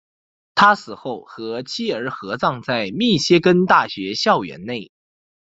他死后和妻儿合葬在密歇根大学校园内。